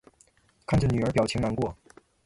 看着女儿表情难过